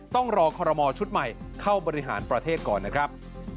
ต้องรอคอรมอชุดใหม่เข้าบริหารประเทศก่อนนะครับ